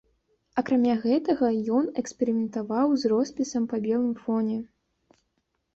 Акрамя гэтага ён эксперыментаваў з роспісам па белым фоне.